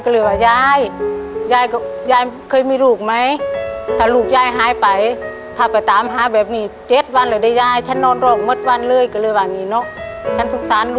เราก็เลยเดินเต้นง่านกัน